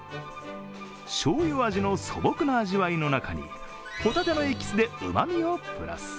しょうゆ味の素朴な味わいの中に帆立てのエキスでうまみをプラス。